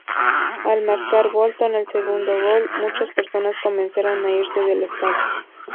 Al marcar Bolton el segundo gol, muchas personas comenzaron a irse del estadio.